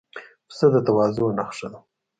پسه د تواضع نښه ده.